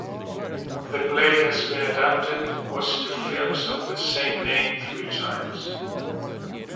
The play has been adapted was to films of the same name three times.